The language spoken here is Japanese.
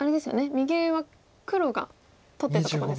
右上は黒が取ってたとこですもんね。